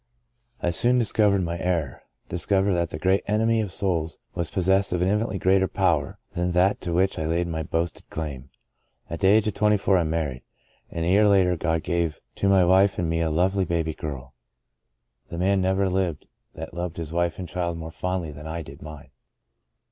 "I soon discovered my error — discovered that the great Enemy of souls was pos sessed of an infinitely greater power than that to which I laid my boasted claim. At the age of twenty four I married, and a year later God gave to my wife and me a lovel)) The Breaking of the Bread 63 baby girl. The man never lived that loved his wife and child more fondly than I did mine.